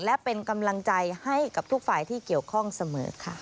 และเป็นกำลังใจให้กับทุกฝ่ายที่เกี่ยวข้องเสมอค่ะ